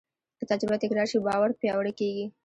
که تجربه تکرار شي، باور پیاوړی کېږي.